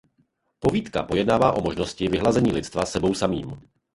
Povídka pojednává o možnosti vyhlazení lidstva sebou samým.